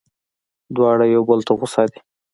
دواړه یو بل ته غوسه دي.